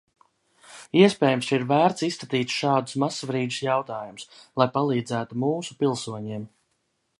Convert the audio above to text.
Iespējams, ka ir vērts izskatīt šādus mazsvarīgus jautājumus, lai palīdzētu mūsu pilsoņiem.